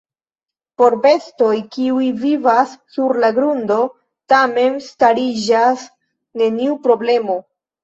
Por bestoj, kiuj vivas sur la grundo, tamen stariĝas neniu problemo.